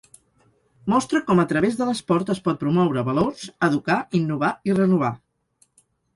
Mostra com a través de l’esport es pot promoure valors, educar, innovar i renovar.